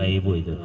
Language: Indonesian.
oh iya ibu itu